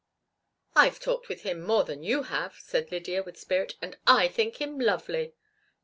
"I've talked with him more than you have," said Lydia, with spirit, "and I think him lovely!"